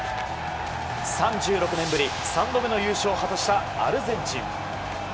３６年ぶり３度目の優勝を果たしたアルゼンチン。